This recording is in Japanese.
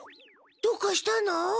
どうかしたの？